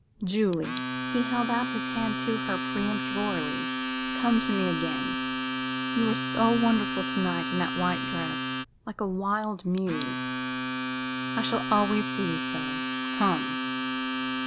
"Julie!" He held out his hand to her peremptorily. "Come to me again. You are so wonderful to night, in that white dress like a wild muse. I shall always see you so. Come!"